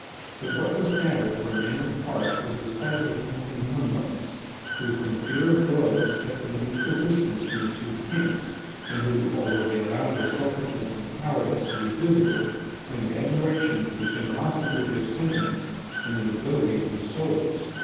But, what was sadder for a man of heart was the sight or the canting humbugs, who, from fear of blows, kept at an equal distance from the two camps, and who, although they allowed their selfishness and cowardice to be visible, claimed admiration for the generosity of their sentiments and the nobility of their souls.